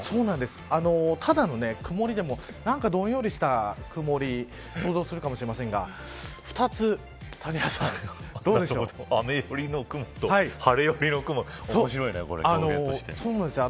ただの曇りでもなんか、どんよりした曇りを想像するかもしれませんが雨寄りの雲と晴れ寄りの雲おもしろいね。